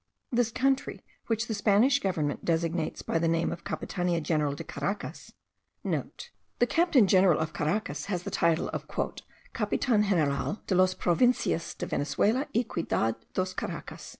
This country which the Spanish government designates by the name of Capitania General de Caracas,* (* The captain general of Caracas has the title of "Capitan General de las Provincias de Venezuela y Ciudad do Caracas.")